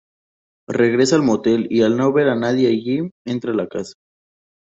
Regresa al motel y al no ver a nadie allí, entra en la casa.